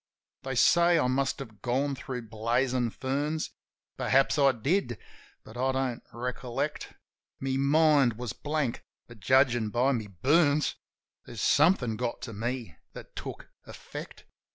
They say I must have gone thro' blazin' ferns. Perhaps I did; but I don't recollect. My mind was blank, but, judgin' by my burns. There's somethin' got to me that took effect.